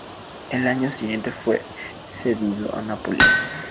El año siguiente fue cedido al Napoli.